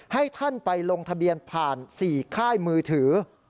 ให้ท่านไปลงทะเบียนผ่าน๔ค่ายมือถือ